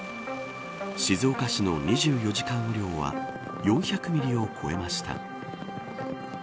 静岡市の２４時間雨量は４００ミリを超えました。